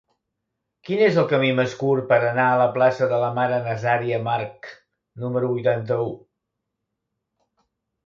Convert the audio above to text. Quin és el camí més curt per anar a la plaça de la Mare Nazaria March número vuitanta-u?